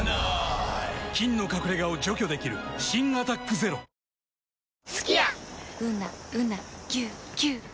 菌の隠れ家を除去できる新「アタックＺＥＲＯ」ハロー！